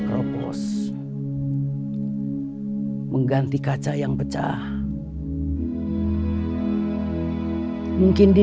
au koordinat tanya ketupat rakyat tragicasi